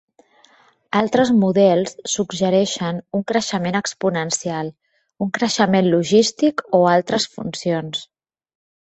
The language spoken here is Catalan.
Altres models suggereixen un creixement exponencial, un creixement logístic o altres funcions.